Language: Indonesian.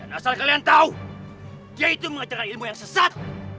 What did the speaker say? dan asal kalian tahu dia itu mengejar ilmu yang sesat